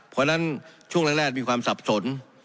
เพราะฉะนั้นช่วงแรกมีความสับสน